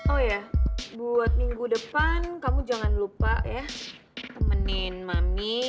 oh ya buat minggu depan kamu jangan lupa ya temenin mami